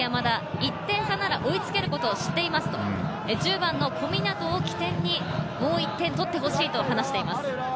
１点差なら追いつけることを知っていますと１０番の小湊を起点にもう１点取ってほしいと話しています。